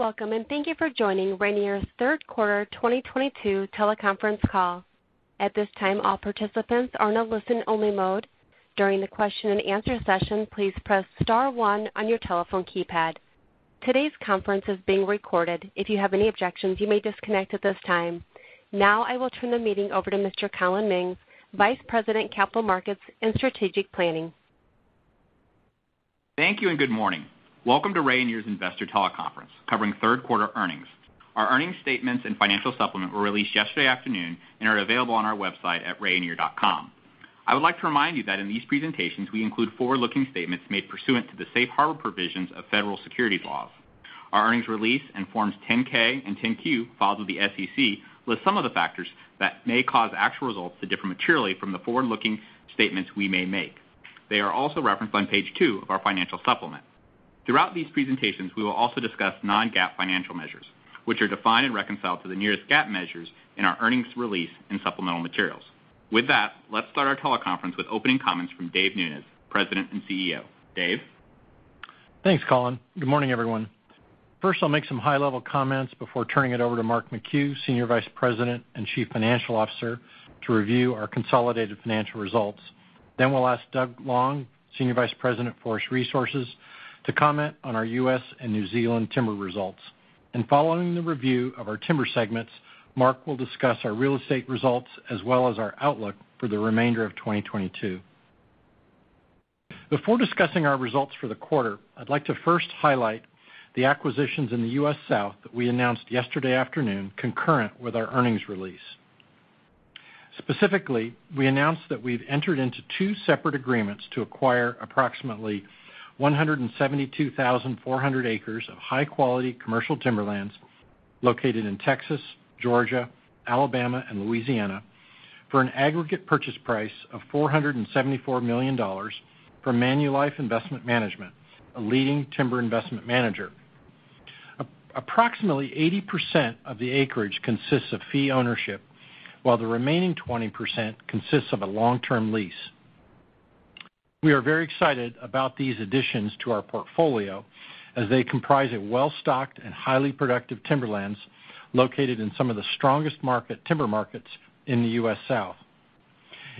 Welcome and thank you for joining Rayonier's Third Quarter 2022 Teleconference Call. At this time, all participants are on a listen only mode. During the question and answer session, please press star one on your telephone keypad. Today's conference is being recorded. If you have any objections, you may disconnect at this time. Now I will turn the meeting over to Mr. Collin Mings, Vice President, Capital Markets & Strategic Planning. Thank you and good morning. Welcome to Rayonier's Investor Teleconference covering third quarter earnings. Our earnings statements and financial supplement were released yesterday afternoon and are available on our website at rayonier.com. I would like to remind you that in these presentations we include forward-looking statements made pursuant to the safe harbor provisions of federal securities laws. Our earnings release and Form 10-K and Form 10-Q filed with the SEC list some of the factors that may cause actual results to differ materially from the forward-looking statements we may make. They are also referenced on page two of our financial supplement. Throughout these presentations, we will also discuss non-GAAP financial measures, which are defined and reconciled to the nearest GAAP measures in our earnings release and supplemental materials. With that, let's start our teleconference with opening comments from David Nunes, President and CEO. Dave? Thanks, Collin. Good morning, everyone. First, I'll make some high-level comments before turning it over to Mark McHugh, Senior Vice President and Chief Financial Officer, to review our consolidated financial results. We'll ask Doug Long, Senior Vice President, Forest Resources, to comment on our U.S. and New Zealand timber results. Following the review of our timber segments, Mark will discuss our real estate results as well as our outlook for the remainder of 2022. Before discussing our results for the quarter, I'd like to first highlight the acquisitions in the U.S. South that we announced yesterday afternoon concurrent with our earnings release. Specifically, we announced that we've entered into two separate agreements to acquire approximately 172,400 acres of high-quality commercial timberlands located in Texas, Georgia, Alabama, and Louisiana for an aggregate purchase price of $474 million from Manulife Investment Management, a leading timber investment manager. Approximately 80% of the acreage consists of fee ownership, while the remaining 20% consists of a long-term lease. We are very excited about these additions to our portfolio as they comprise a well-stocked and highly productive timberlands located in some of the strongest timber markets in the U.S. South.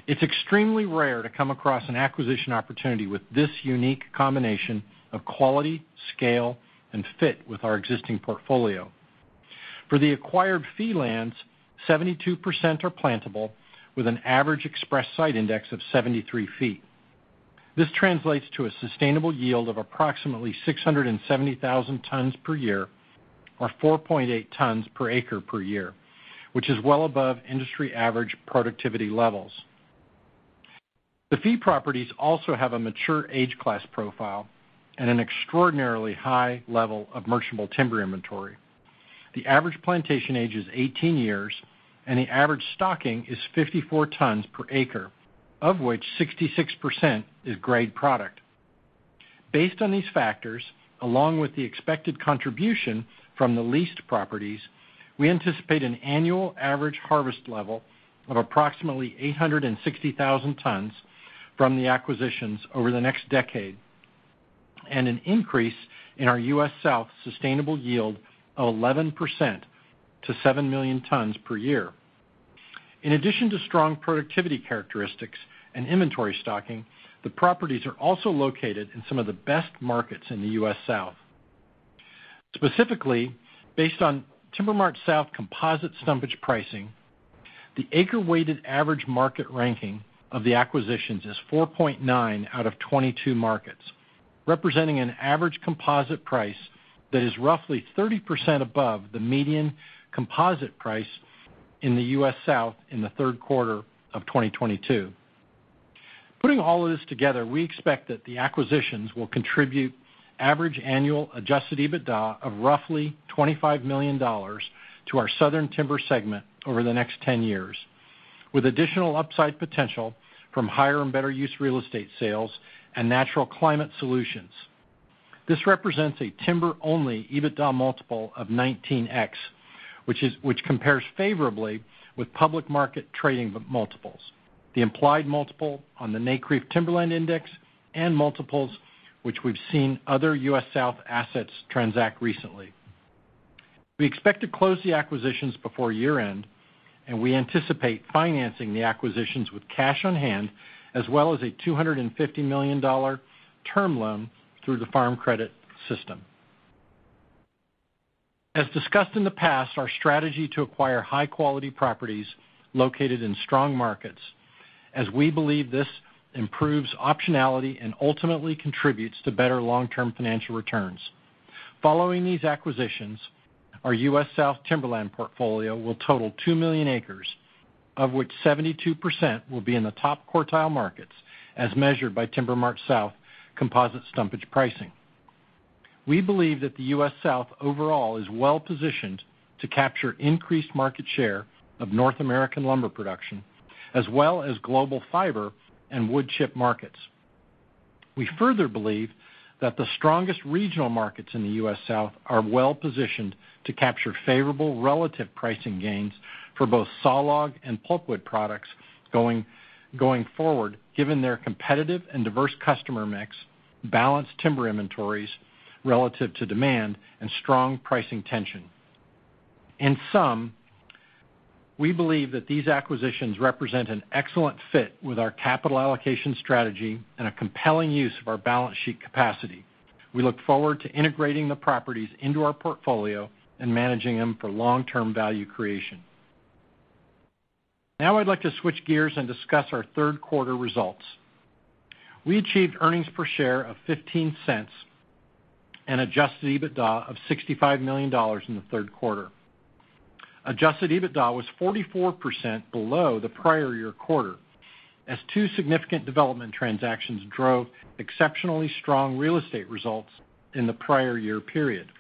It's extremely rare to come across an acquisition opportunity with this unique combination of quality, scale, and fit with our existing portfolio. For the acquired fee lands, 72% are plantable with an average express site index of 73 feet. This translates to a sustainable yield of approximately 670,000 tons per year or 4.8 tons per acre per year, which is well above industry average productivity levels. The fee properties also have a mature age class profile and an extraordinarily high level of merchantable timber inventory. The average plantation age is 18 years, and the average stocking is 54 tons per acre, of which 66% is grade product. Based on these factors, along with the expected contribution from the leased properties, we anticipate an annual average harvest level of approximately 860,000 tons from the acquisitions over the next decade and an increase in our U.S. South sustainable yield of 11% to 7 million tons per year. In addition to strong productivity characteristics and inventory stocking, the properties are also located in some of the best markets in the US South. Specifically, based on TimberMart-South composite stumpage pricing, the acre-weighted average market ranking of the acquisitions is 4.9 out of 22 markets, representing an average composite price that is roughly 30% above the median composite price in the U.S. South in the third quarter of 2022. Putting all of this together, we expect that the acquisitions will contribute average annual adjusted EBITDA of roughly $25 million to our Southern Timber segment over the next 10 years, with additional upside potential from higher and better use real estate sales and natural climate solutions. This represents a timber-only EBITDA multiple of 19x, which compares favorably with public market trading multiples, the implied multiple on the NCREIF Timberland Index, and multiples which we've seen other U.S. South assets transact recently. We expect to close the acquisitions before year-end, and we anticipate financing the acquisitions with cash on-hand as well as a $250 million term loan through the Farm Credit System. As discussed in the past, our strategy to acquire high-quality properties located in strong markets, as we believe this improves optionality and ultimately contributes to better long-term financial returns. Following these acquisitions, our U.S. South Timberland portfolio will total 2 million acres, of which 72% will be in the top quartile markets as measured by TimberMart-South composite stumpage pricing. We believe that the U.S. South overall is well-positioned to capture increased market share of North American lumber production as well as global fiber and wood chip markets. We further believe that the strongest regional markets in the U.S. South are well-positioned to capture favorable relative pricing gains for both sawlog and pulpwood products going forward, given their competitive and diverse customer mix, balanced timber inventories relative to demand, and strong pricing tension. In sum, we believe that these acquisitions represent an excellent fit with our capital allocation strategy and a compelling use of our balance sheet capacity. We look forward to integrating the properties into our portfolio and managing them for long-term value creation. Now I'd like to switch gears and discuss our third quarter results. We achieved earnings per share of $0.15 and adjusted EBITDA of $65 million in the third quarter. Adjusted EBITDA was 44% below the prior year quarter as two significant development transactions drove exceptionally strong Real Estate results in the prior year period.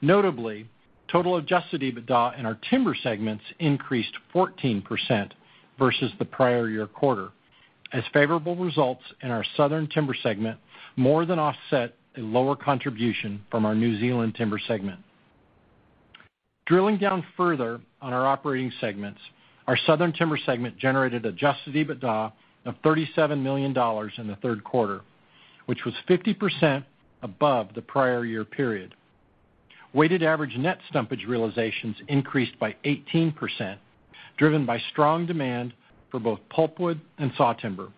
Notably, total adjusted EBITDA in our Timber segments increased 14% versus the prior year quarter as favorable results in our Southern Timber segment more than offset a lower contribution from our New Zealand Timber segment. Drilling down further on our operating segments, our Southern Timber segment generated adjusted EBITDA of $37 million in the third quarter, which was 50% above the prior year period. Weighted average net stumpage realizations increased by 18%, driven by strong demand for both pulpwood and sawtimber,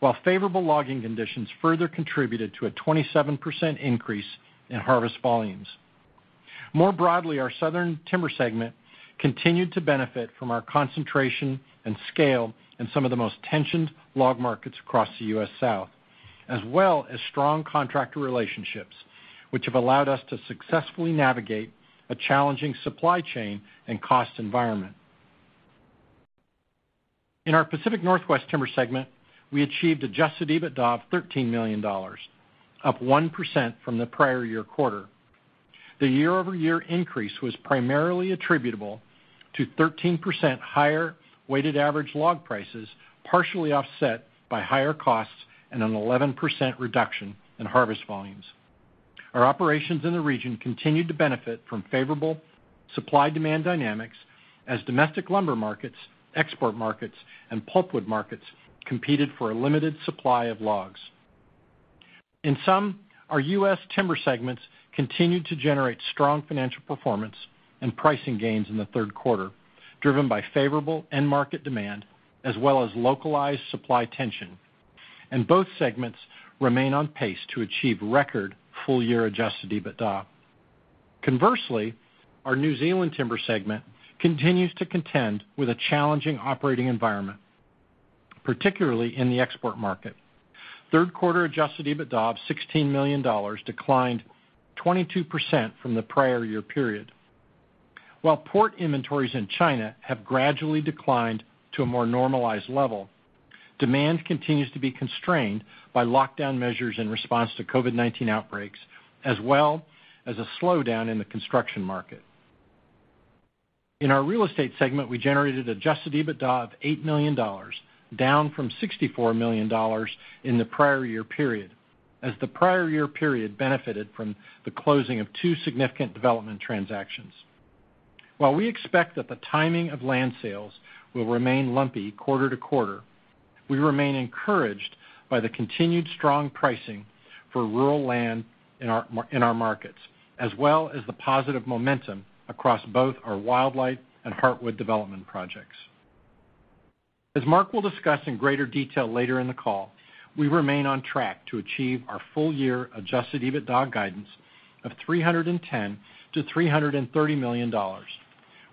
while favorable logging conditions further contributed to a 27% increase in harvest volumes. More broadly, our Southern Timber segment continued to benefit from our concentration and scale in some of the most tensioned log markets across the U.S. South, as well as strong contractor relationships, which have allowed us to successfully navigate a challenging supply chain and cost environment. In our Pacific Northwest Timber segment, we achieved adjusted EBITDA of $13 million, up 1% from the prior year quarter. The year-over-year increase was primarily attributable to 13% higher weighted average log prices, partially offset by higher costs and an 11% reduction in harvest volumes. Our operations in the region continued to benefit from favorable supply-demand dynamics as domestic lumber markets, export markets, and pulpwood markets competed for a limited supply of logs. In sum, our U.S. timber segments continued to generate strong financial performance and pricing gains in the third quarter, driven by favorable end market demand as well as localized supply tension, and both segments remain on pace to achieve record full-year adjusted EBITDA. Conversely, our New Zealand timber segment continues to contend with a challenging operating environment, particularly in the export market. Third quarter adjusted EBITDA of $16 million declined 22% from the prior year period. While port inventories in China have gradually declined to a more normalized level, demand continues to be constrained by lockdown measures in response to COVID-19 outbreaks, as well as a slowdown in the construction market. In our real estate segment, we generated adjusted EBITDA of $8 million, down from $64 million in the prior year period, as the prior year period benefited from the closing of two significant development transactions. While we expect that the timing of land sales will remain lumpy quarter to quarter, we remain encouraged by the continued strong pricing for rural land in our markets, as well as the positive momentum across both our Wildlight and Heartwood development projects. As Mark will discuss in greater detail later in the call, we remain on track to achieve our full-year adjusted EBITDA guidance of $310 million-$330 million,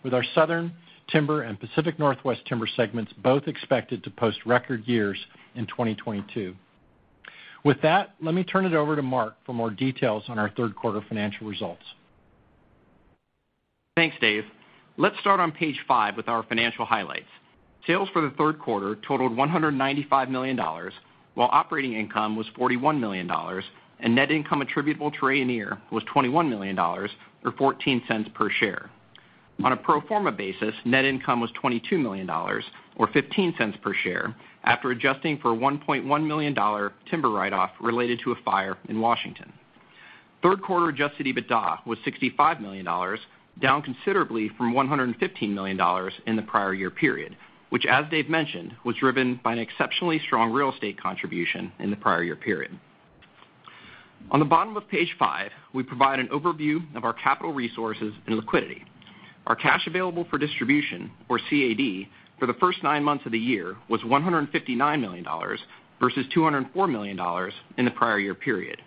with our Southern Timber and Pacific Northwest Timber segments both expected to post record years in 2022. With that, let me turn it over to Mark for more details on our third quarter financial results. Thanks, Dave. Let's start on page five with our financial highlights. Sales for the third quarter totaled $195 million, while operating income was $41 million and net income attributable to Rayonier was $21 million or $0.14 per share. On a pro forma basis, net income was $22 million or $0.15 per share after adjusting for a $1.1 million timber write-off related to a fire in Washington. Third quarter adjusted EBITDA was $65 million, down considerably from $115 million in the prior year period, which as Dave mentioned, was driven by an exceptionally strong real estate contribution in the prior year period. On the bottom of page five, we provide an overview of our capital resources and liquidity. Our cash available for distribution, or CAD, for the first nine months of the year was $159 million versus $204 million in the prior year period.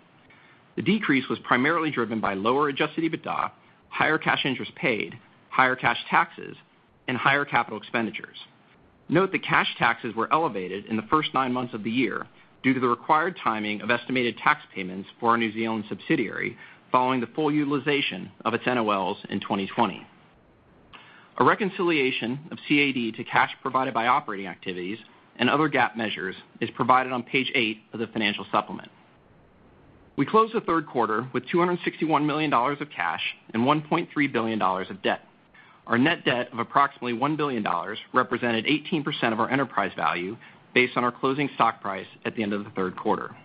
The decrease was primarily driven by lower adjusted EBITDA, higher cash interest paid, higher cash taxes, and higher capital expenditures. Note that cash taxes were elevated in the first nine months of the year due to the required timing of estimated tax payments for our New Zealand subsidiary following the full utilization of its NOLs in 2020. A reconciliation of CAD to cash provided by operating activities and other GAAP measures is provided on page 8 of the financial supplement. We closed the third quarter with $261 million of cash and $1.3 billion of debt. Our net debt of approximately $1 billion represented 18% of our enterprise value based on our closing stock price at the end of the third quarter.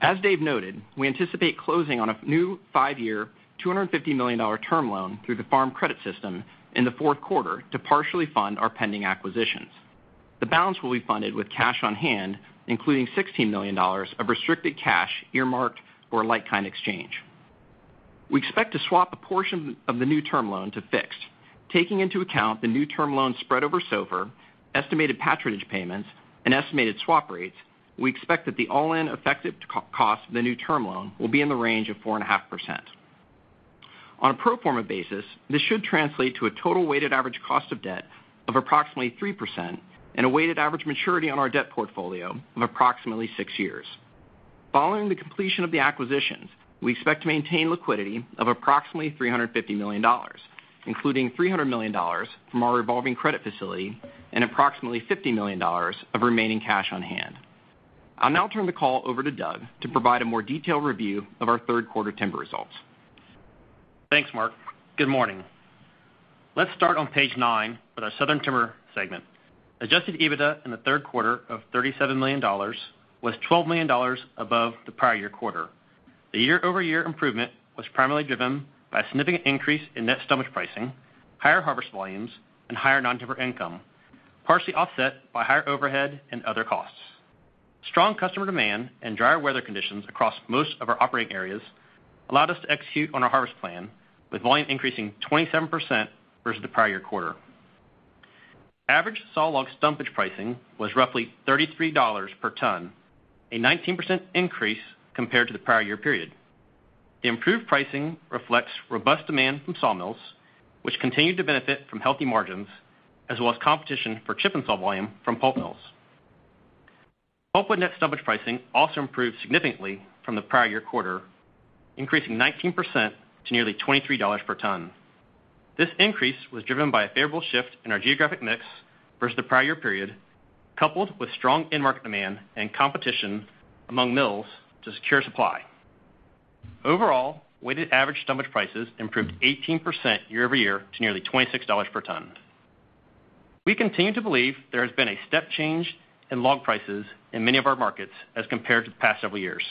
As Dave noted, we anticipate closing on a new five-year, $250 million term loan through the Farm Credit System in the fourth quarter to partially fund our pending acquisitions. The balance will be funded with cash on hand, including $16 million of restricted cash earmarked for like-kind exchange. We expect to swap a portion of the new term loan to fixed, taking into account the new term loan spread over SOFR, estimated patronage payments, and estimated swap rates. We expect that the all-in effective cost of the new term loan will be in the range of 4.5%. On a pro forma basis, this should translate to a total weighted average cost of debt of approximately 3% and a weighted average maturity on our debt portfolio of approximately 6 years. Following the completion of the acquisitions, we expect to maintain liquidity of approximately $350 million, including $300 million from our revolving credit facility and approximately $50 million of remaining cash on hand. I'll now turn the call over to Doug to provide a more detailed review of our third quarter timber results. Thanks, Mark. Good morning. Let's start on page 9 with our Southern Timber segment. Adjusted EBITDA in the third quarter of $37 million was $12 million above the prior year quarter. The year-over-year improvement was primarily driven by a significant increase in net stumpage pricing, higher harvest volumes, and higher non-timber income, partially offset by higher overhead and other costs. Strong customer demand and drier weather conditions across most of our operating areas allowed us to execute on our harvest plan, with volume increasing 27% versus the prior year quarter. Average sawlog stumpage pricing was roughly $33 per ton, a 19% increase compared to the prior year period. The improved pricing reflects robust demand from sawmills, which continued to benefit from healthy margins as well as competition for chip and saw volume from pulp mills. Pulpwood net stumpage pricing also improved significantly from the prior year quarter, increasing 19% to nearly $23 per ton. This increase was driven by a favorable shift in our geographic mix versus the prior year period, coupled with strong end market demand and competition among mills to secure supply. Overall, weighted average stumpage prices improved 18% year-over-year to nearly $26 per ton. We continue to believe there has been a step change in log prices in many of our markets as compared to the past several years.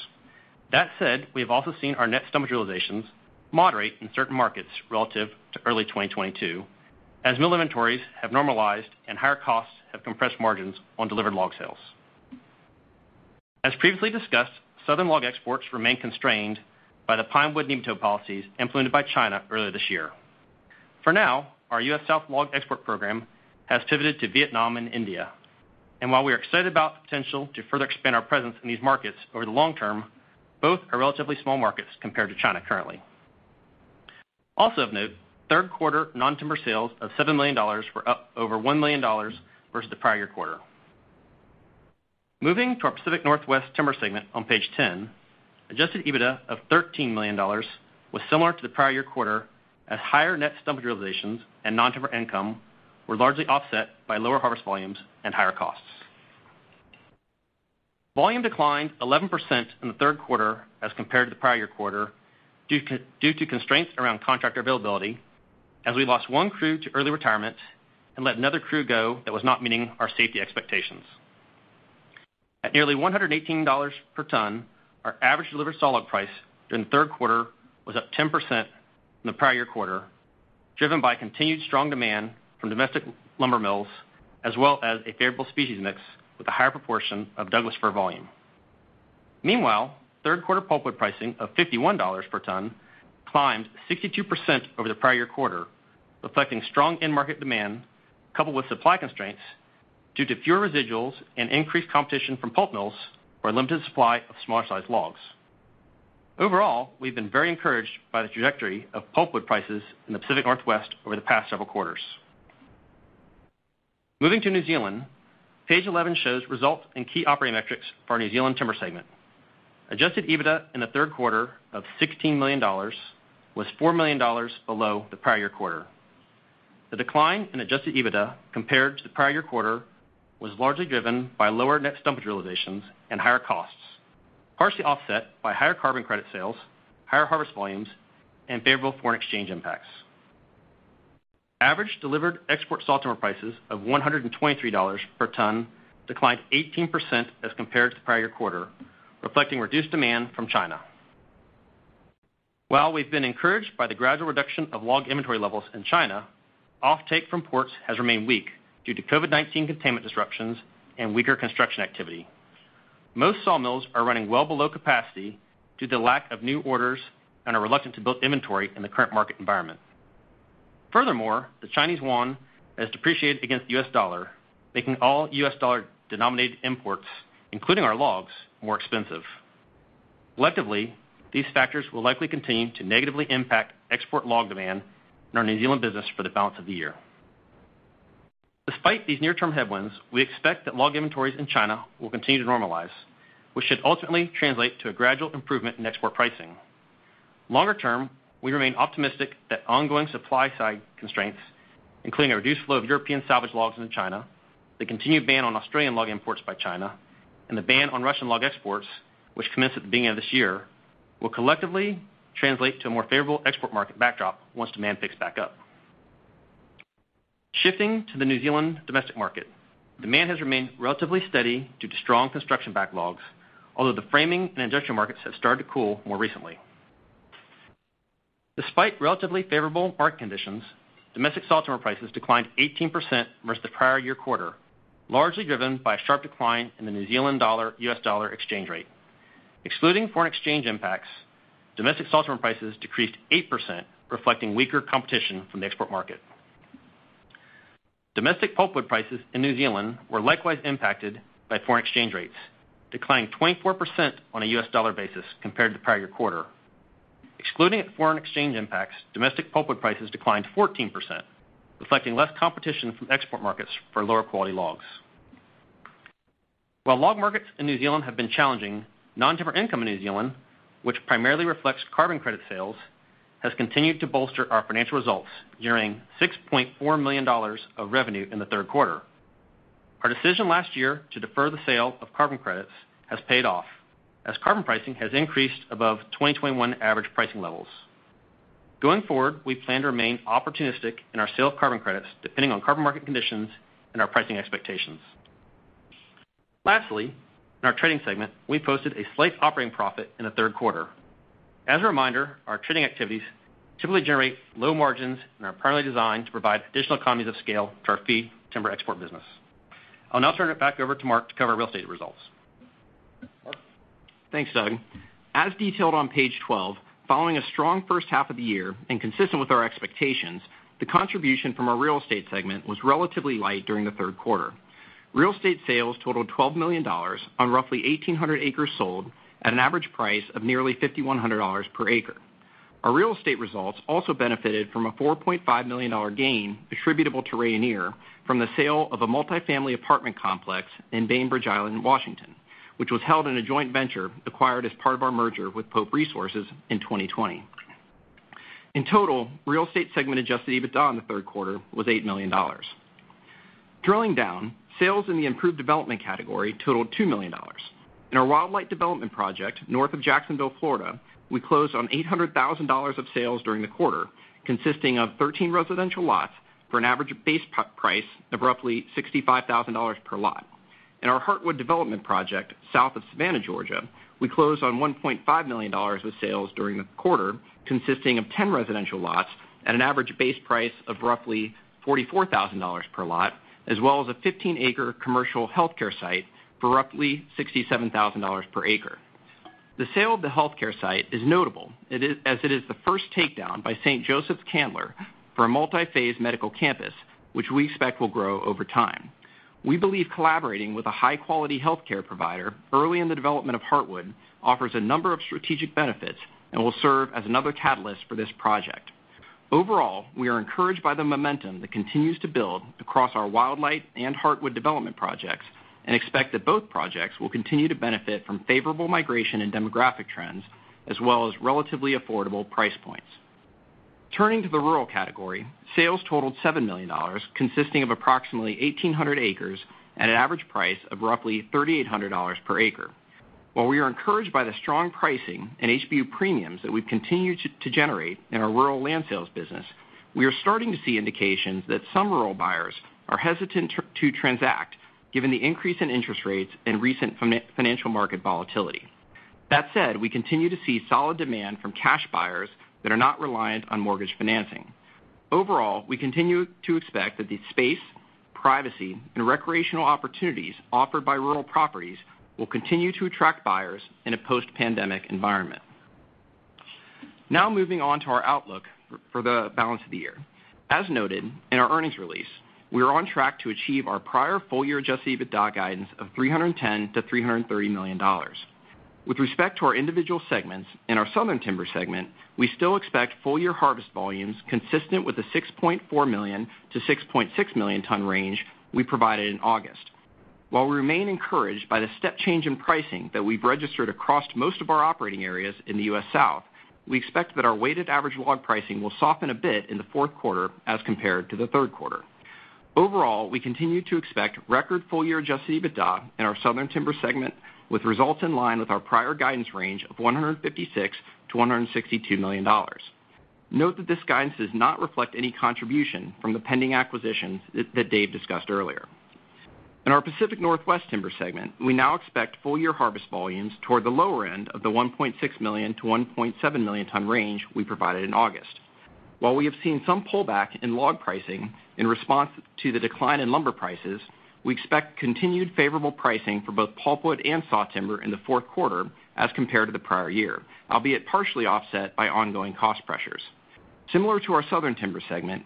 That said, we have also seen our net stumpage realizations moderate in certain markets relative to early 2022 as mill inventories have normalized and higher costs have compressed margins on delivered log sales. As previously discussed, Southern log exports remain constrained by the pinewood nematode policies implemented by China earlier this year. For now, our US South log export program has pivoted to Vietnam and India. While we are excited about the potential to further expand our presence in these markets over the long term, both are relatively small markets compared to China currently. Also of note, third quarter non-timber sales of $7 million were up over $1 million versus the prior year quarter. Moving to our Pacific Northwest Timber segment on page 10, adjusted EBITDA of $13 million was similar to the prior year quarter as higher net stumpage realizations and non-timber income were largely offset by lower harvest volumes and higher costs. Volume declined 11% in the third quarter as compared to the prior year quarter due to constraints around contractor availability as we lost one crew to early retirement and let another crew go that was not meeting our safety expectations. At nearly $118 per ton, our average delivered solid price during the third quarter was up 10% from the prior year quarter, driven by continued strong demand from domestic lumber mills, as well as a favorable species mix with a higher proportion of Douglas fir volume. Meanwhile, third quarter pulpwood pricing of $51 per ton climbed 62% over the prior year quarter, reflecting strong end market demand coupled with supply constraints due to fewer residuals and increased competition from pulp mills for a limited supply of smaller-sized logs. Overall, we've been very encouraged by the trajectory of pulpwood prices in the Pacific Northwest over the past several quarters. Moving to New Zealand, page 11 shows results in key operating metrics for our New Zealand Timber segment. Adjusted EBITDA in the third quarter of $16 million was $4 million below the prior year quarter. The decline in adjusted EBITDA compared to the prior year quarter was largely driven by lower net stumpage realizations and higher costs, partially offset by higher carbon credit sales, higher harvest volumes, and favorable foreign exchange impacts. Average delivered export sawtimber prices of $123 per ton declined 18% as compared to the prior year quarter, reflecting reduced demand from China. While we've been encouraged by the gradual reduction of log inventory levels in China, offtake from ports has remained weak due to COVID-19 containment disruptions and weaker construction activity. Most sawmills are running well below capacity due to the lack of new orders and are reluctant to build inventory in the current market environment. Furthermore, the Chinese yuan has depreciated against the U.S. dollar, making all U.S. dollar-denominated imports, including our logs, more expensive. Collectively, these factors will likely continue to negatively impact export log demand in our New Zealand business for the balance of the year. Despite these near-term headwinds, we expect that log inventories in China will continue to normalize, which should ultimately translate to a gradual improvement in export pricing. Longer term, we remain optimistic that ongoing supply-side constraints, including a reduced flow of European salvage logs into China, the continued ban on Australian log imports by China, and the ban on Russian log exports, which commenced at the beginning of this year, will collectively translate to a more favorable export market backdrop once demand picks back up. Shifting to the New Zealand domestic market, demand has remained relatively steady due to strong construction backlogs, although the framing and construction markets have started to cool more recently. Despite relatively favorable market conditions, domestic sawtimber prices declined 18% versus the prior year quarter, largely driven by a sharp decline in the New Zealand dollar, U.S. dollar exchange rate. Excluding foreign exchange impacts, domestic sawtimber prices decreased 8%, reflecting weaker competition from the export market. Domestic pulpwood prices in New Zealand were likewise impacted by foreign exchange rates, declining 24% on a U.S. dollar basis compared to the prior year quarter. Excluding foreign exchange impacts, domestic pulpwood prices declined 14%, reflecting less competition from export markets for lower-quality logs. While log markets in New Zealand have been challenging, non-timber income in New Zealand, which primarily reflects carbon credit sales, has continued to bolster our financial results, delivering $6.4 million of revenue in the third quarter. Our decision last year to defer the sale of carbon credits has paid off as carbon pricing has increased above 2021 average pricing levels. Going forward, we plan to remain opportunistic in our sale of carbon credits, depending on carbon market conditions and our pricing expectations. Lastly, in our trading segment, we posted a slight operating profit in the third quarter. As a reminder, our trading activities typically generate low margins and are primarily designed to provide additional economies of scale to our fee timber export business. I'll now turn it back over to Mark to cover real estate results. Mark? Thanks, Doug. As detailed on page 12, following a strong first half of the year and consistent with our expectations, the contribution from our Real Estate segment was relatively light during the third quarter. Real Estate sales totaled $12 million on roughly 1,800 acres sold at an average price of nearly $5,100 per acre. Our Real Estate results also benefited from a $4.5 million gain attributable to Rayonier from the sale of a multi-family apartment complex in Bainbridge Island, Washington, which was held in a joint venture acquired as part of our merger with Pope Resources in 2020. In total, Real Estate segment-adjusted EBITDA in the third quarter was $8 million. Drilling down, sales in the improved development category totaled $2 million. In our Wildlight development project, north of Jacksonville, Florida, we closed on $800,000 of sales during the quarter, consisting of 13 residential lots for an average base price of roughly $65,000 per lot. In our Heartwood development project, south of Savannah, Georgia, we closed on $1.5 million with sales during the quarter, consisting of 10 residential lots at an average base price of roughly $44,000 per lot, as well as a 15-acre commercial healthcare site for roughly $67,000 per acre. The sale of the healthcare site is notable as it is the first takedown by St. Joseph's/Candler for a multi-phase medical campus, which we expect will grow over time. We believe collaborating with a high-quality healthcare provider early in the development of Heartwood offers a number of strategic benefits and will serve as another catalyst for this project. Overall, we are encouraged by the momentum that continues to build across our Wildlight and Heartwood development projects and expect that both projects will continue to benefit from favorable migration and demographic trends, as well as relatively affordable price points. Turning to the rural category, sales totaled $7 million, consisting of approximately 1,800 acres at an average price of roughly $3,800 per acre. While we are encouraged by the strong pricing and HBU premiums that we've continued to generate in our rural land sales business, we are starting to see indications that some rural buyers are hesitant to transact given the increase in interest rates and recent financial market volatility. That said, we continue to see solid demand from cash buyers that are not reliant on mortgage financing. Overall, we continue to expect that the space, privacy, and recreational opportunities offered by rural properties will continue to attract buyers in a post-pandemic environment. Now moving on to our outlook for the balance of the year. As noted in our earnings release, we are on track to achieve our prior full-year adjusted EBITDA guidance of $310 million-$330 million. With respect to our individual segments, in our Southern Timber segment, we still expect full-year harvest volumes consistent with the 6.4 million-6.6 million ton range we provided in August. While we remain encouraged by the step change in pricing that we've registered across most of our operating areas in the U.S. South, we expect that our weighted average log pricing will soften a bit in the fourth quarter as compared to the third quarter. Overall, we continue to expect record full-year adjusted EBITDA in our Southern Timber segment, with results in line with our prior guidance range of $156 million-$162 million. Note that this guidance does not reflect any contribution from the pending acquisitions that Dave discussed earlier. In our Pacific Northwest Timber segment, we now expect full-year harvest volumes toward the lower end of the 1.6 million-1.7 million ton range we provided in August. While we have seen some pullback in log pricing in response to the decline in lumber prices, we expect continued favorable pricing for both pulpwood and sawtimber in the fourth quarter as compared to the prior year, albeit partially offset by ongoing cost pressures. Similar to our Southern Timber,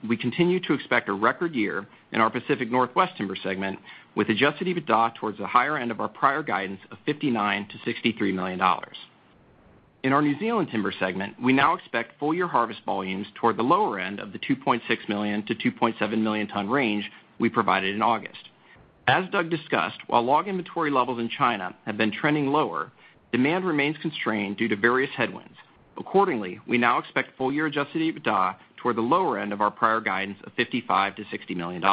we continue to expect a record year in our Pacific Northwest Timber segment, with adjusted EBITDA towards the higher end of our prior guidance of $59 million-$63 million. In our New Zealand Timber segment, we now expect full-year harvest volumes toward the lower end of the 2.6 million-2.7 million ton range we provided in August. As Doug discussed, while log inventory levels in China have been trending lower, demand remains constrained due to various headwinds. Accordingly, we now expect full-year adjusted EBITDA toward the lower end of our prior guidance of $55 million-$60 million.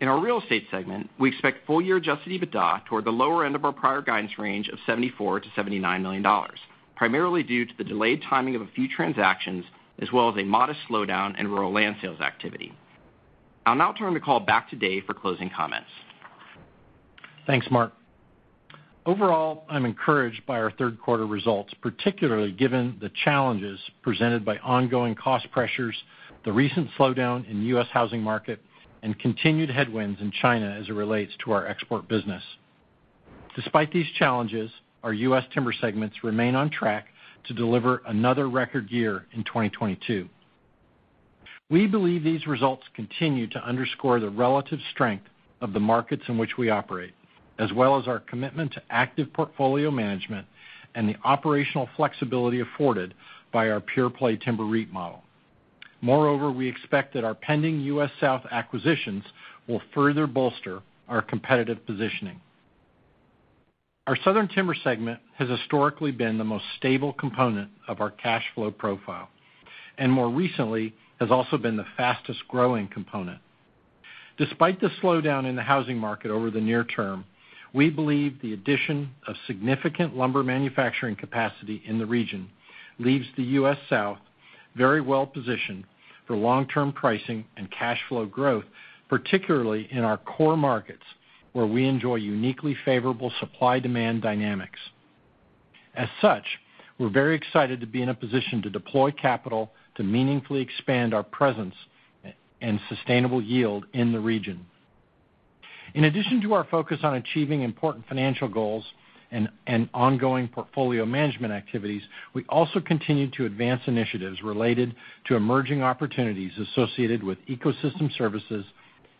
In our real estate segment, we expect full-year adjusted EBITDA toward the lower end of our prior guidance range of $74 million-$79 million, primarily due to the delayed timing of a few transactions as well as a modest slowdown in rural land sales activity. I'll now turn the call back to Dave for closing comments. Thanks, Mark. Overall, I'm encouraged by our third quarter results, particularly given the challenges presented by ongoing cost pressures, the recent slowdown in the U.S. housing market, and continued headwinds in China as it relates to our export business. Despite these challenges, our U.S. timber segments remain on track to deliver another record year in 2022. We believe these results continue to underscore the relative strength of the markets in which we operate, as well as our commitment to active portfolio management and the operational flexibility afforded by our pure-play timber REIT model. Moreover, we expect that our pending U.S. South acquisitions will further bolster our competitive positioning. Our southern timber segment has historically been the most stable component of our cash flow profile, and more recently has also been the fastest-growing component. Despite the slowdown in the housing market over the near term, we believe the addition of significant lumber manufacturing capacity in the region leaves the U.S. South very well positioned for long-term pricing and cash flow growth, particularly in our core markets where we enjoy uniquely favorable supply-demand dynamics. As such, we're very excited to be in a position to deploy capital to meaningfully expand our presence and sustainable yield in the region. In addition to our focus on achieving important financial goals and ongoing portfolio management activities, we also continue to advance initiatives related to emerging opportunities associated with ecosystem services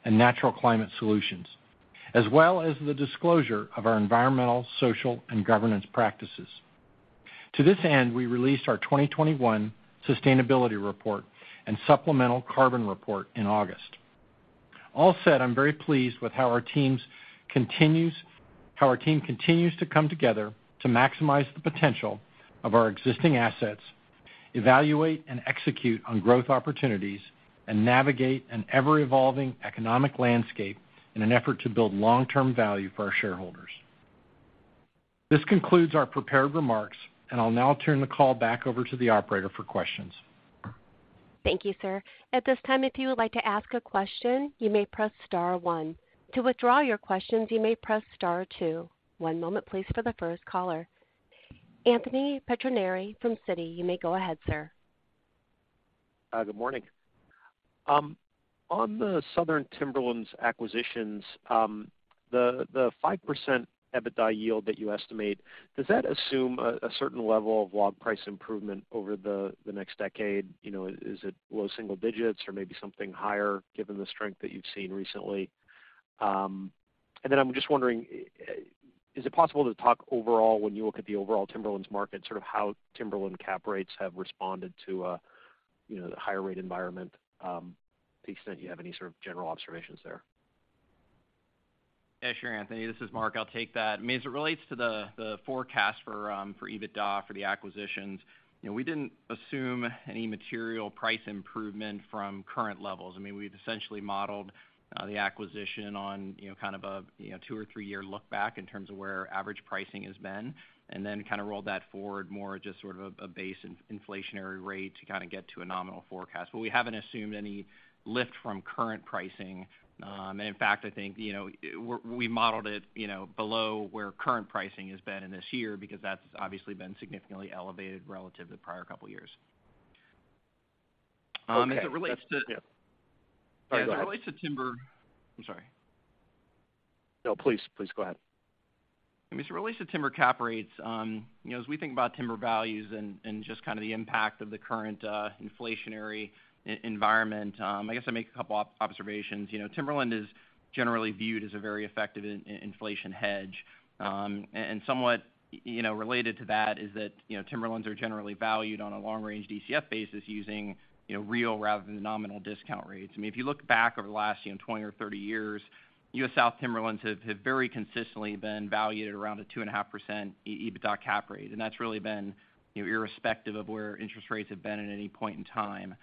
and natural climate solutions, as well as the disclosure of our environmental, social, and governance practices. To this end, we released our 2021 sustainability report and supplemental carbon report in August. All said, I'm very pleased with how our team continues to come together to maximize the potential of our existing assets, evaluate and execute on growth opportunities, and navigate an ever-evolving economic landscape in an effort to build long-term value for our shareholders. This concludes our prepared remarks, and I'll now turn the call back over to the operator for questions. Thank you, sir. At this time, if you would like to ask a question, you may press star one. To withdraw your questions, you may press star two. One moment, please, for the first caller. Anthony Pettinari from Citi, you may go ahead, sir. Good morning. On the southern timberlands acquisitions, the 5% EBITDA yield that you estimate, does that assume a certain level of log price improvement over the next decade? You know, is it low single digits or maybe something higher given the strength that you've seen recently? Then I'm just wondering, is it possible to talk overall when you look at the overall timberlands market, sort of how timberland cap rates have responded to, you know, the higher rate environment, to the extent you have any sort of general observations there? Yeah, sure, Anthony. This is Mark. I'll take that. I mean, as it relates to the forecast for EBITDA for the acquisitions, you know, we didn't assume any material price improvement from current levels. I mean, we've essentially modeled the acquisition on, you know, kind of a 2- or 3-year look back in terms of where average pricing has been, and then kind of rolled that forward more just sort of a base inflationary rate to kind of get to a nominal forecast. We haven't assumed any lift from current pricing. In fact, I think, you know, we modeled it, you know, below where current pricing has been in this year because that's obviously been significantly elevated relative to the prior couple years. Okay. As it relates to. Yeah. Sorry, go ahead. I'm sorry. No, please go ahead. I mean, as it relates to timber cap rates, you know, as we think about timber values and just kind of the impact of the current, inflationary environment, I guess I'd make a couple observations. You know, timberland is generally viewed as a very effective inflation hedge. And somewhat, you know, related to that is that, you know, timberlands are generally valued on a long-range DCF basis using, you know, real rather than nominal discount rates. I mean, if you look back over the last, you know, 20 or 30 years, US South timberlands have very consistently been valued at around a 2.5% EBITDA cap rate. And that's really been, you know, irrespective of where interest rates have been at any point in time.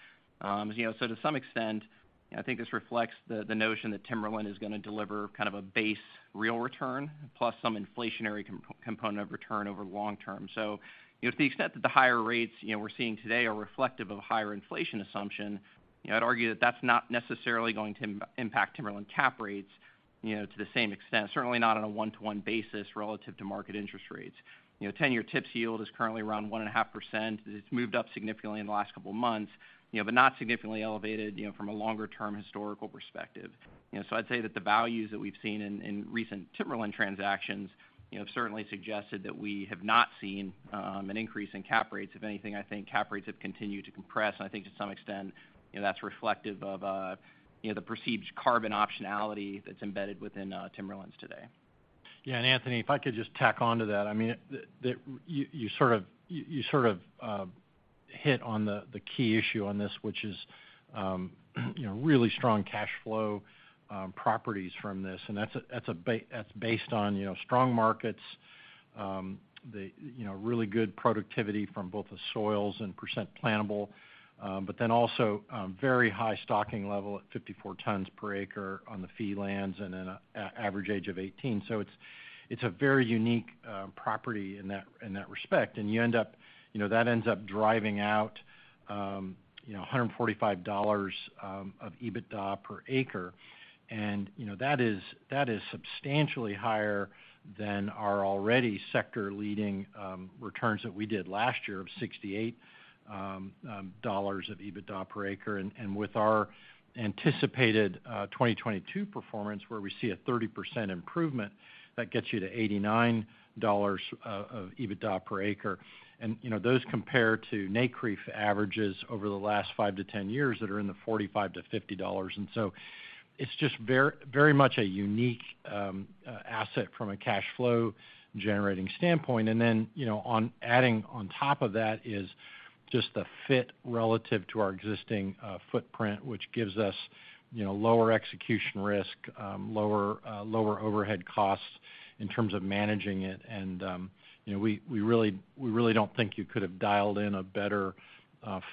You know, to some extent, you know, I think this reflects the notion that timberland is gonna deliver kind of a base real return plus some inflationary component of return over long-term. You know, to the extent that the higher rates, you know, we're seeing today are reflective of a higher inflation assumption, you know, I'd argue that that's not necessarily going to impact timberland cap rates, you know, to the same extent, certainly not on a one-to-one basis relative to market interest rates. You know, ten-year TIPS yield is currently around 1.5%. It's moved up significantly in the last couple of months, you know, but not significantly elevated, you know, from a longer-term historical perspective. You know, I'd say that the values that we've seen in recent timberland transactions, you know, have certainly suggested that we have not seen an increase in cap rates. If anything, I think cap rates have continued to compress, and I think to some extent, you know, that's reflective of, you know, the perceived carbon optionality that's embedded within timberlands today. Yeah. Anthony, if I could just tack on to that. I mean, you sort of hit on the key issue on this, which is, you know, really strong cash flow properties from this. That's based on, you know, strong markets, you know, really good productivity from both the soils and percent plantable, but then also very high stocking level at 54 tons per acre on the fee lands and then average age of 18. It's a very unique property in that respect. You end up, you know, that ends up driving out, you know, $145 of EBITDA per acre. You know, that is substantially higher than our already sector-leading returns that we did last year of $68 of EBITDA per acre. With our anticipated 2022 performance, where we see a 30% improvement, that gets you to $89 of EBITDA per acre. You know, those compare to NCREIF averages over the last 5-10 years that are in the $45-$50. It's just very much a unique asset from a cash flow generating standpoint. You know, on adding on top of that is just the fit relative to our existing footprint, which gives us, you know, lower execution risk, lower overhead costs in terms of managing it. You know, we really don't think you could have dialed in a better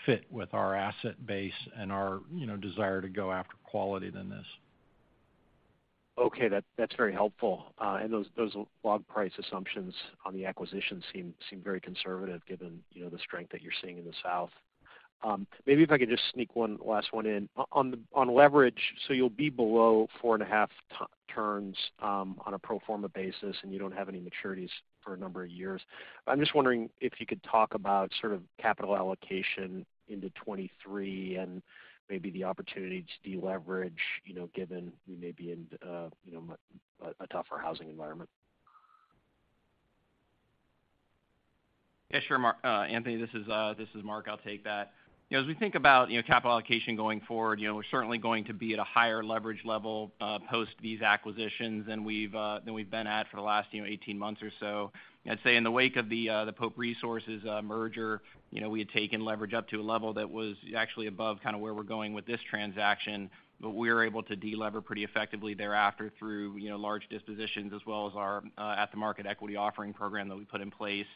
fit with our asset base and our, you know, desire to go after quality than this. That's very helpful. Those log price assumptions on the acquisition seem very conservative given, you know, the strength that you're seeing in the South. Maybe if I could just sneak one last one in. On leverage, so you'll be below 4.5 turns on a pro forma basis, and you don't have any maturities for a number of years. I'm just wondering if you could talk about sort of capital allocation into 2023 and maybe the opportunity to deleverage, you know, given we may be in, you know, a tougher housing environment. Yeah, sure, Anthony. This is Mark. I'll take that. You know, as we think about, you know, capital allocation going forward, you know, we're certainly going to be at a higher leverage level post these acquisitions than we've been at for the last, you know, 18 months or so. I'd say in the wake of the Pope Resources merger, you know, we had taken leverage up to a level that was actually above kinda where we're going with this transaction. We were able to de-lever pretty effectively thereafter through, you know, large dispositions as well as our at the market equity offering program that we put in place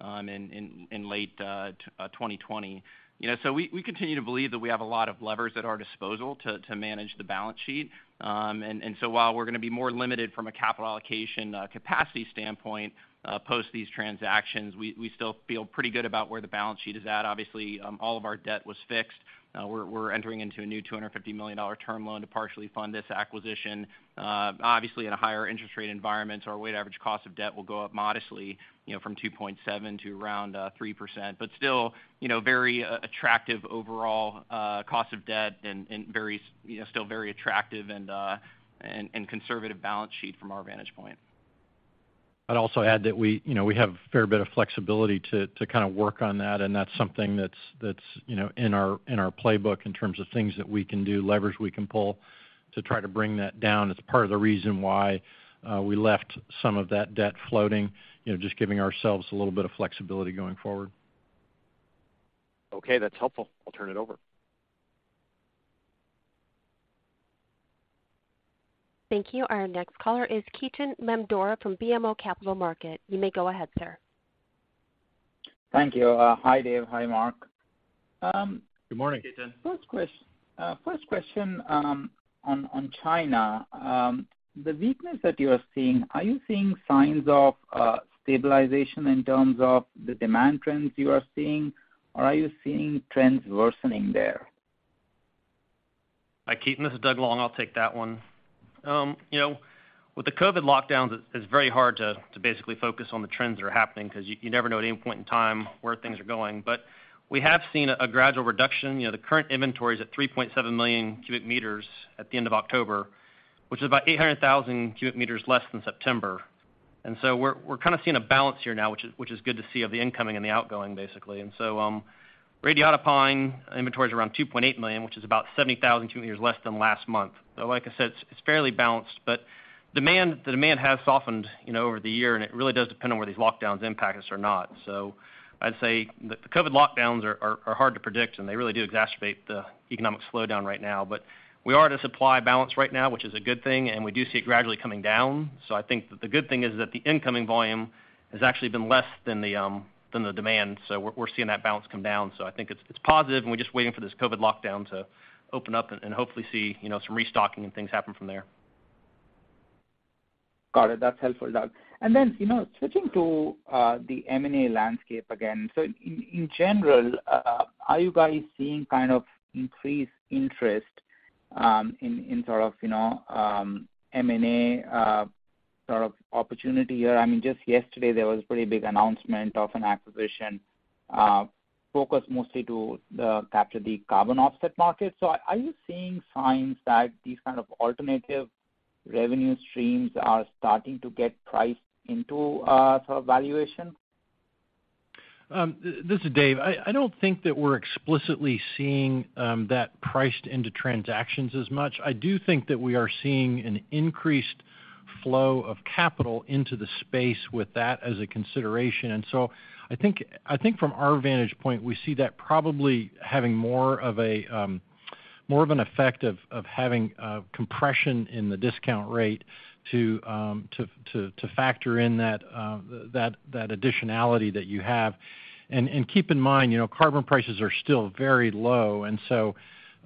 in late 2020. You know, we continue to believe that we have a lot of levers at our disposal to manage the balance sheet. While we're gonna be more limited from a capital allocation capacity standpoint post these transactions, we still feel pretty good about where the balance sheet is at. Obviously, all of our debt was fixed. We're entering into a new $250 million term loan to partially fund this acquisition. Obviously in a higher interest rate environment, our weighted average cost of debt will go up modestly, you know, from 2.7% to around 3%. Still, you know, very attractive overall cost of debt and very, you know, still very attractive and conservative balance sheet from our vantage point. I'd also add that we, you know, we have a fair bit of flexibility to kind of work on that, and that's something that's, you know, in our playbook in terms of things that we can do, levers we can pull to try to bring that down. It's part of the reason why we left some of that debt floating, you know, just giving ourselves a little bit of flexibility going forward. Okay, that's helpful. I'll turn it over. Thank you. Our next caller is Ketan Mamtora from BMO Capital Markets. You may go ahead, sir. Thank you. Hi, Dave. Hi, Mark. Good morning. Hi, Ketan. First question on China. The weakness that you are seeing, are you seeing signs of stabilization in terms of the demand trends you are seeing, or are you seeing trends worsening there? Hi, Ketan. This is Doug Long. I'll take that one. You know, with the COVID lockdowns, it's very hard to basically focus on the trends that are happening because you never know at any point in time where things are going. We have seen a gradual reduction. You know, the current inventory is at 3.7 million cubic meters at the end of October, which is about 800,000 cubic meters less than September. We're kind of seeing a balance here now, which is good to see of the incoming and the outgoing, basically. Radiata pine inventory is around 2.8 million, which is about 70,000 cubic meters less than last month. Like I said, it's fairly balanced, but demand has softened, you know, over the year, and it really does depend on where these lockdowns impact us or not. I'd say the COVID lockdowns are hard to predict, and they really do exacerbate the economic slowdown right now. We are at a supply balance right now, which is a good thing, and we do see it gradually coming down. I think that the good thing is that the incoming volume has actually been less than the demand, so we're seeing that balance come down. I think it's positive, and we're just waiting for this COVID lockdown to open up and hopefully see, you know, some restocking and things happen from there. Got it. That's helpful, Doug. You know, switching to the M&A landscape again. In general, are you guys seeing kind of increased interest in sort of you know M&A sort of opportunity here? I mean, just yesterday there was a pretty big announcement of an acquisition focused mostly to capture the carbon offset market. Are you seeing signs that these kind of alternative revenue streams are starting to get priced into sort of valuation? This is Dave. I don't think that we're explicitly seeing that priced into transactions as much. I do think that we are seeing an increased flow of capital into the space with that as a consideration. I think from our vantage point, we see that probably having more of an effect of having a compression in the discount rate to factor in that additionality that you have. Keep in mind, you know, carbon prices are still very low.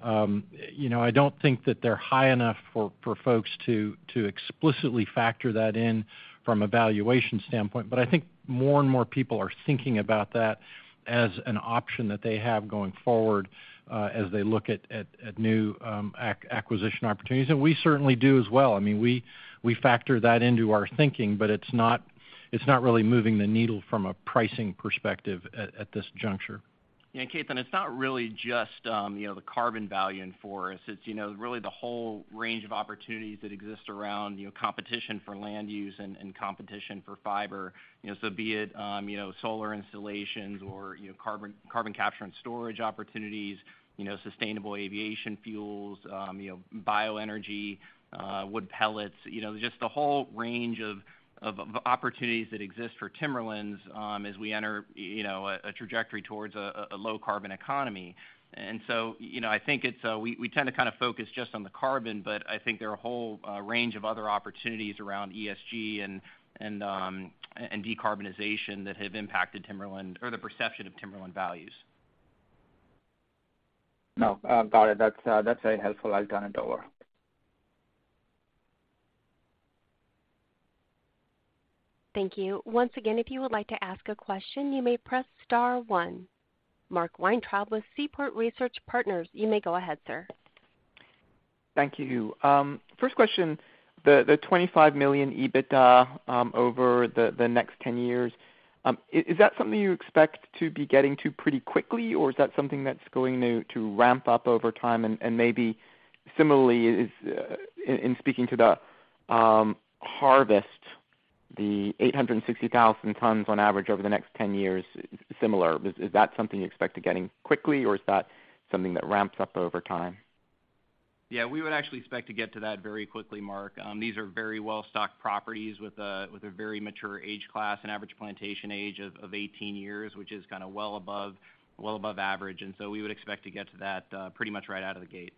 You know, I don't think that they're high enough for folks to explicitly factor that in from a valuation standpoint. I think more and more people are thinking about that as an option that they have going forward, as they look at new acquisition opportunities. We certainly do as well. I mean, we factor that into our thinking, but it's not really moving the needle from a pricing perspective at this juncture. Yeah, Ketan, it's not really just, you know, the carbon value in forests. It's, you know, really the whole range of opportunities that exist around, you know, competition for land use and competition for fiber. You know, so be it, you know, solar installations or, you know, carbon capture and storage opportunities, you know, sustainable aviation fuels, you know, bioenergy, wood pellets. You know, just the whole range of opportunities that exist for timberlands, as we enter, you know, a trajectory towards a low carbon economy. You know, I think it's, we tend to kind of focus just on the carbon, but I think there are a whole range of other opportunities around ESG and decarbonization that have impacted timberland or the perception of timberland values. No. Got it. That's very helpful. I'll turn it over. Thank you. Once again, if you would like to ask a question, you may press star one. Mark Weintraub with Seaport Research Partners. You may go ahead, sir. Thank you. First question, the $25 million EBITDA over the next 10 years, is that something you expect to be getting to pretty quickly, or is that something that's going to ramp up over time? Maybe similarly, in speaking to the harvest, the 860,000 tons on average over the next 10 years, similar. Is that something you expect to getting quickly, or is that something that ramps up over time? Yeah, we would actually expect to get to that very quickly, Mark. These are very well stocked properties with a very mature age class and average plantation age of 18 years, which is kind of well above average. We would expect to get to that pretty much right out of the gate.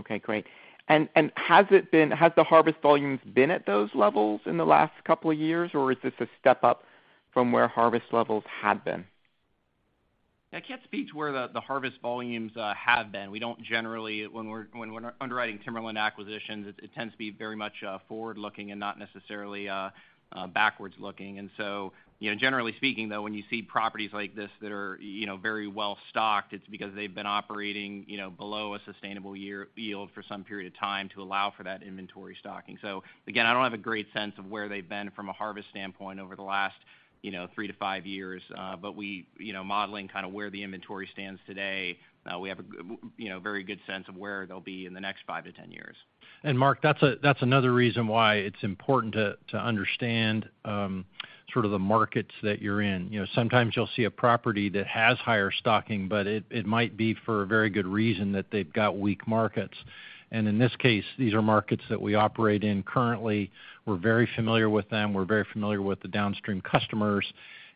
Okay, great. Has the harvest volumes been at those levels in the last couple of years, or is this a step up from where harvest levels had been? I can't speak to where the harvest volumes have been. We don't generally. When we're underwriting timberland acquisitions, it tends to be very much forward-looking and not necessarily backward-looking. You know, generally speaking, though, when you see properties like this that are very well stocked, it's because they've been operating below a sustainable yield for some period of time to allow for that inventory stocking. I don't have a great sense of where they've been from a harvest standpoint over the last 3-5 years. We, you know, modeling kind of where the inventory stands today, we have a very good sense of where they'll be in the next 5-10 years. Mark, that's another reason why it's important to understand sort of the markets that you're in. You know, sometimes you'll see a property that has higher stocking, but it might be for a very good reason that they've got weak markets. In this case, these are markets that we operate in currently. We're very familiar with them. We're very familiar with the downstream customers.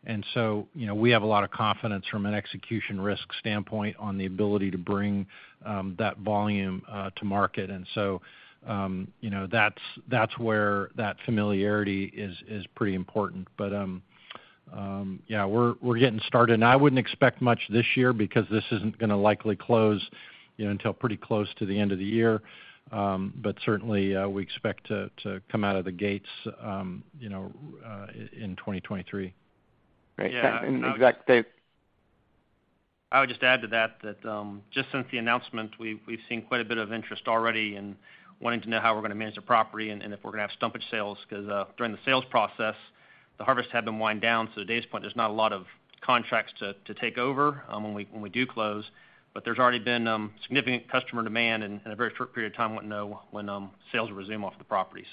You know, we have a lot of confidence from an execution risk standpoint on the ability to bring that volume to market. You know, that's where that familiarity is pretty important. Yeah, we're getting started. I wouldn't expect much this year because this isn't gonna likely close, you know, until pretty close to the end of the year. Certainly, we expect to come out of the gates, you know, in 2023. Great. Yeah. Zach, David? I would just add to that, just since the announcement, we've seen quite a bit of interest already in wanting to know how we're gonna manage the property and if we're gonna have stumpage sales. 'Cause during the sales process, the harvest had been wound down. To Dave's point, there's not a lot of contracts to take over when we do close. There's already been significant customer demand in a very short period of time wanting to know when sales will resume off the property.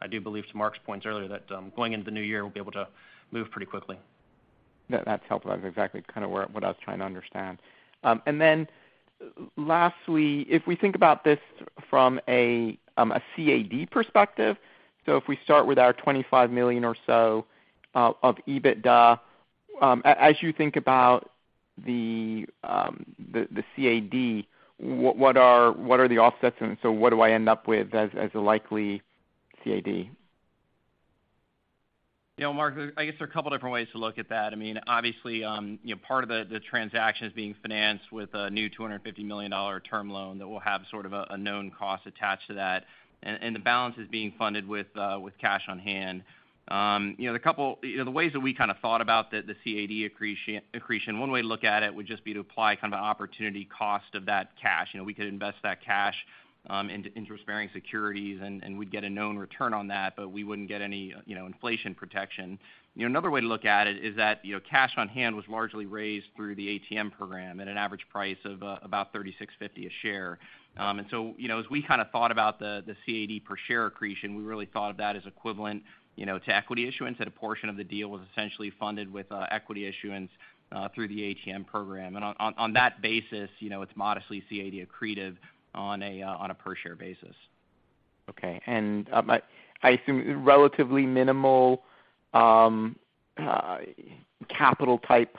I do believe to Mark's points earlier that, going into the new year, we'll be able to move pretty quickly. That's helpful. That's exactly kind of what I was trying to understand. Lastly, if we think about this from a CAD perspective, if we start with our $25 million or so of EBITDA, as you think about the CAD, what are the offsets? What do I end up with as a likely CAD? You know, Mark, I guess there are a couple different ways to look at that. I mean, obviously, you know, part of the transaction is being financed with a new $250 million term loan that will have sort of a known cost attached to that. The balance is being funded with cash on hand. You know, a couple ways that we kind of thought about the cash accretion, one way to look at it would just be to apply kind of an opportunity cost of that cash. You know, we could invest that cash into, and we'd get a known return on that, but we wouldn't get any, you know, inflation protection. You know, another way to look at it is that, you know, cash on hand was largely raised through the ATM program at an average price of about $36.50 a share. So, you know, as we kind of thought about the CAD per share accretion, we really thought of that as equivalent, you know, to equity issuance, that a portion of the deal was essentially funded with equity issuance through the ATM program. On that basis, you know, it's modestly CAD accretive on a per share basis. Okay. I assume relatively minimal capital type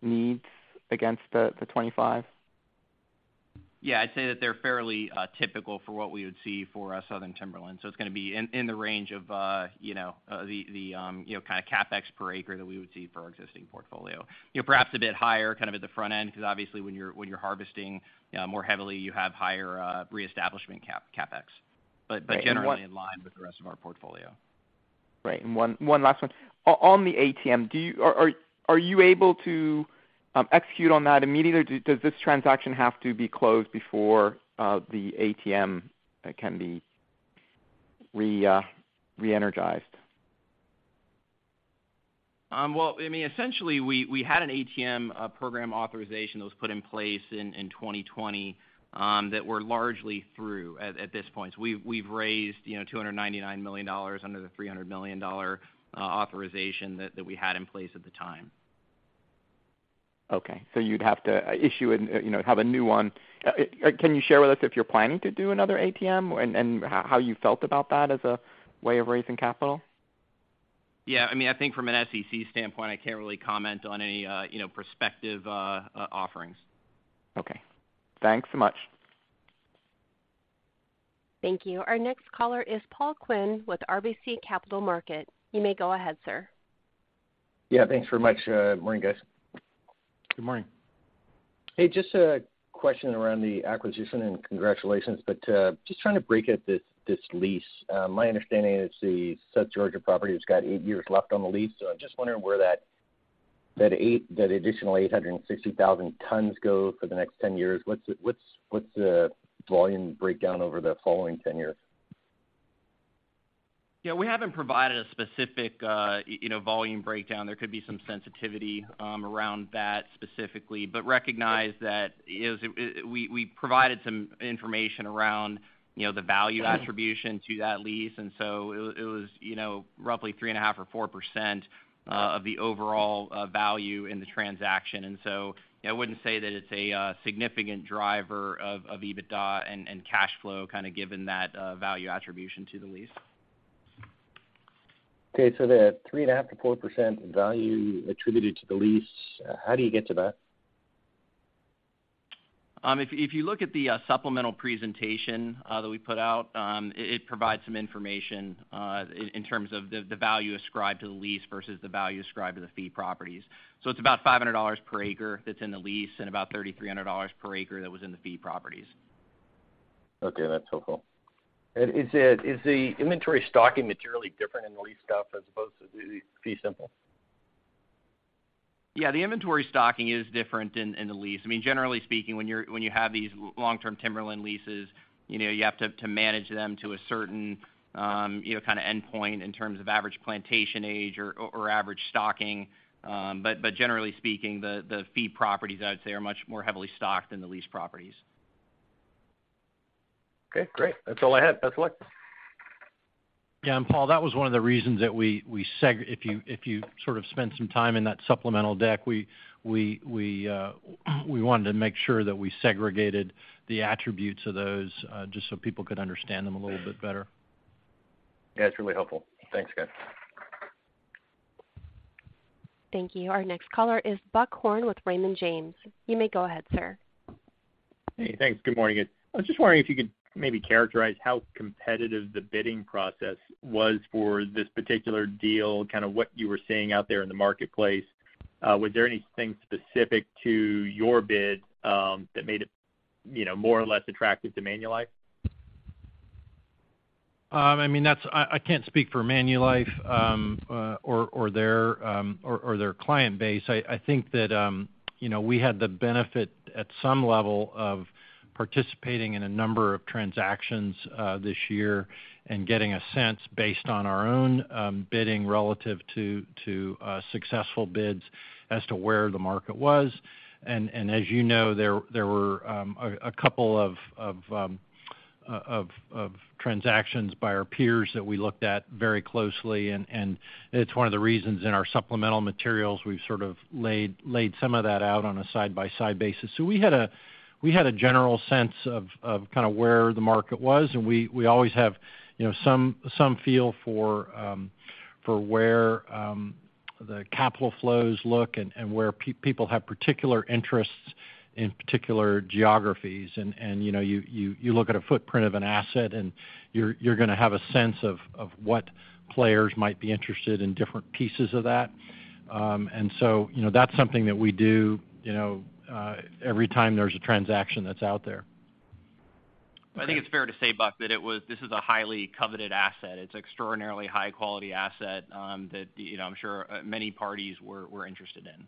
needs against the $25? Yeah, I'd say that they're fairly typical for what we would see for a Southern timberland. It's gonna be in the range of kind of CapEx per acre that we would see for our existing portfolio. You know, perhaps a bit higher kind of at the front end because obviously when you're harvesting more heavily, you have higher reestablishment CapEx. But Right. Generally in line with the rest of our portfolio. Right. One last one. On the ATM, are you able to execute on that immediately or does this transaction have to be closed before the ATM can be re-energized? Well, I mean, essentially we had an ATM program authorization that was put in place in 2020 that we're largely through at this point. We've raised, you know, $299 million under the $300 million dollar authorization that we had in place at the time. Okay. You'd have to, you know, have a new one. Can you share with us if you're planning to do another ATM and how you felt about that as a way of raising capital? Yeah, I mean, I think from an SEC standpoint, I can't really comment on any, you know, prospective offerings. Okay. Thanks so much. Thank you. Our next caller is Paul Quinn with RBC Capital Markets. You may go ahead, sir. Yeah, thanks very much. Morning, guys. Good morning. Hey, just a question around the acquisition, and congratulations. Just trying to break out this lease. My understanding is the South Georgia property has got 8 years left on the lease, so I'm just wondering where that additional 860,000 tons go for the next 10 years. What's the volume breakdown over the following 10 years? Yeah, we haven't provided a specific, you know, volume breakdown. There could be some sensitivity around that specifically. Recognize that we provided some information around, you know, the value attribution to that lease. It was, you know, roughly 3.5 or 4% of the overall value in the transaction. I wouldn't say that it's a significant driver of EBITDA and cash flow, kind of given that value attribution to the lease. Okay, the 3.5%-4% value attributed to the lease, how do you get to that? If you look at the supplemental presentation that we put out, it provides some information in terms of the value ascribed to the lease versus the value ascribed to the fee properties. It's about $500 per acre that's in the lease and about $3,300 per acre that was in the fee properties. Okay, that's helpful. Is the inventory stocking materially different in the lease stuff as opposed to the fee simple? Yeah, the inventory stocking is different in the lease. I mean, generally speaking, when you have these long-term timberland leases, you know, you have to manage them to a certain, you know, kind of endpoint in terms of average plantation age or average stocking. But generally speaking, the fee properties, I would say, are much more heavily stocked than the lease properties. Okay, great. That's all I had. Best of luck. Yeah, Paul, that was one of the reasons that if you sort of spend some time in that supplemental deck, we wanted to make sure that we segregated the attributes of those, just so people could understand them a little bit better. Yeah, it's really helpful. Thanks, guys. Thank you. Our next caller is Buck Horne with Raymond James. You may go ahead, sir. Hey, thanks. Good morning, guys. I was just wondering if you could maybe characterize how competitive the bidding process was for this particular deal, kind of what you were seeing out there in the marketplace. Was there anything specific to your bid, you know, that made it more or less attractive to Manulife? I mean, that's. I can't speak for Manulife or their client base. I think that, you know, we had the benefit at some level of participating in a number of transactions this year and getting a sense based on our own bidding relative to successful bids as to where the market was. As you know, there were a couple of transactions by our peers that we looked at very closely. It's one of the reasons in our supplemental materials we've sort of laid some of that out on a side-by-side basis. We had a general sense of kind of where the market was, and we always have, you know, some feel for where the capital flows look and where people have particular interests in particular geographies. You know, you look at a footprint of an asset, and you're gonna have a sense of what players might be interested in different pieces of that. You know, that's something that we do, you know, every time there's a transaction that's out there. Okay. I think it's fair to say, Buck, that this is a highly coveted asset. It's extraordinarily high quality asset, that, you know, I'm sure, many parties were interested in.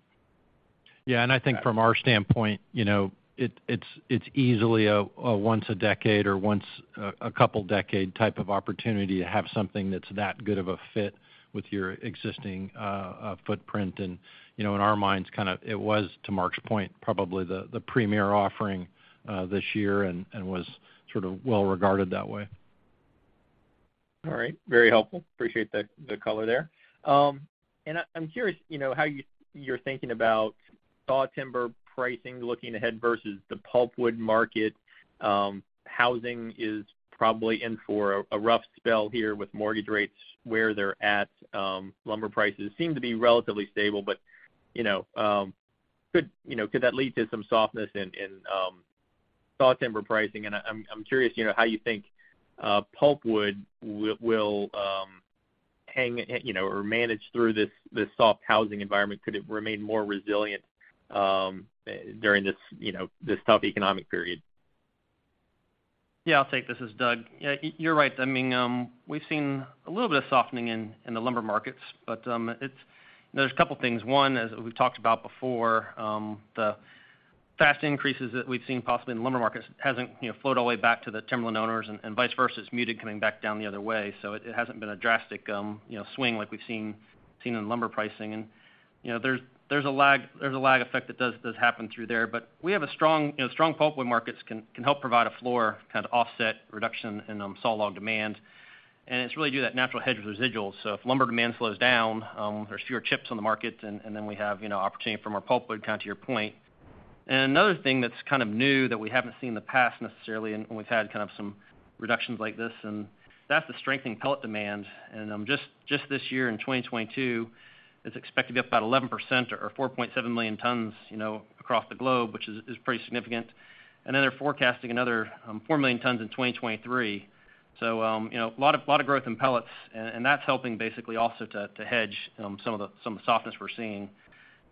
Yeah, I think from our standpoint, you know, it's easily a once-a-decade or once-a-couple-decade type of opportunity to have something that's that good of a fit with your existing footprint. You know, in our minds kind of it was, to Mark's point, probably the premier offering this year and was sort of well-regarded that way. All right. Very helpful. Appreciate the color there. I'm curious, you know, how you're thinking about sawtimber pricing looking ahead versus the pulpwood market. Housing is probably in for a rough spell here with mortgage rates where they're at. Lumber prices seem to be relatively stable, but, you know, could, you know, could that lead to some softness in sawtimber pricing? I'm curious, you know, how you think pulpwood will hang, you know, or manage through this soft housing environment. Could it remain more resilient during this, you know, this tough economic period? I'll take this. This is Doug. You're right. I mean, we've seen a little bit of softening in the lumber markets, but. There's a couple things. One, as we've talked about before, the fast increases that we've seen possibly in the lumber markets hasn't, you know, flowed all the way back to the timberland owners and vice versa. It's muted coming back down the other way. So it hasn't been a drastic, you know, swing like we've seen in lumber pricing. And, you know, there's a lag effect that does happen through there. But we have. You know, strong pulpwood markets can help provide a floor, kind of offset reduction in sawlog demand. And it's really due to that natural hedge of residuals. If lumber demand slows down, there's fewer chips on the market and then we have, you know, opportunity from our pulpwood, kind of to your point. Another thing that's kind of new that we haven't seen in the past necessarily, and we've had kind of some reductions like this, and that's the strength in pellet demand. Just this year in 2022, it's expected to be up about 11% or 4.7 million tons, you know, across the globe, which is pretty significant. They're forecasting another 4 million tons in 2023. You know, a lot of growth in pellets and that's helping basically also to hedge some of the softness we're seeing.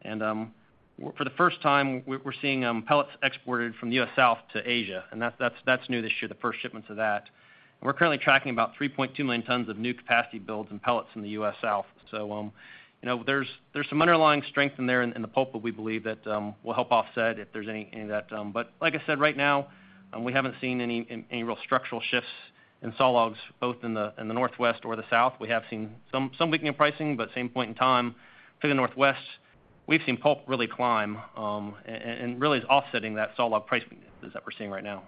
For the first time we're seeing pellets exported from the U.S. South to Asia, and that's new this year, the first shipments of that. We're currently tracking about 3.2 million tons of new capacity builds in pellets in the U.S. South. You know, there's some underlying strength in there in the pulp that we believe that will help offset if there's any of that. But like I said, right now, we haven't seen any real structural shifts in sawlogs both in the Northwest or the South. We have seen some weakening pricing, but at the same point in time in the Northwest, we've seen pulp really climb and really is offsetting that sawlog pricing that we're seeing right now.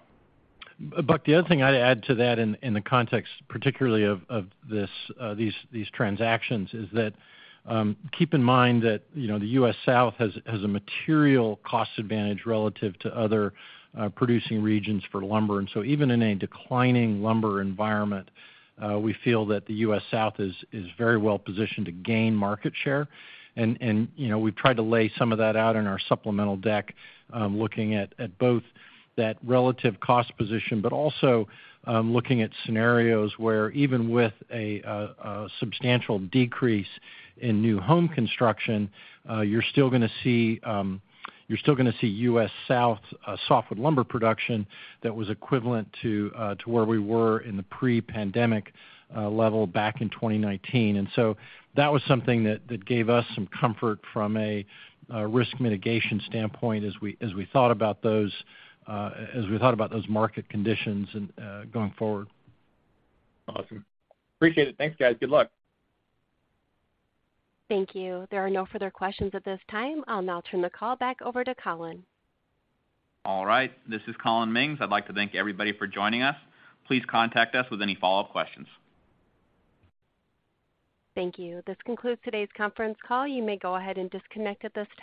Buck, the other thing I'd add to that in the context particularly of these transactions is that keep in mind that, you know, the U.S. South has a material cost advantage relative to other producing regions for lumber. Even in a declining lumber environment, we feel that the U.S. South is very well positioned to gain market share. You know, we've tried to lay some of that out in our supplemental deck, looking at both that relative cost position, but also looking at scenarios where even with a substantial decrease in new home construction, you're still gonna see U.S. South softwood lumber production that was equivalent to where we were in the pre-pandemic level back in 2019. That was something that gave us some comfort from a risk mitigation standpoint as we thought about those market conditions going forward. Awesome. Appreciate it. Thanks, guys. Good luck. Thank you. There are no further questions at this time. I'll now turn the call back over to Collin. All right. This is Collin Mings. I'd like to thank everybody for joining us. Please contact us with any follow-up questions. Thank you. This concludes today's conference call. You may go ahead and disconnect at this time.